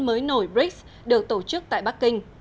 mới nổi brics được tổ chức tại bắc kinh